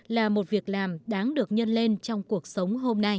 là một việc làm đáng được nhân lên trong cuộc sống hôm nay